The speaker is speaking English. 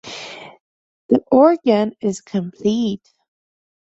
The Organ is complete.